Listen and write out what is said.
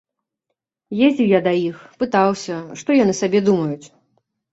Ездзіў я да іх, пытаўся, што яны сабе думаюць.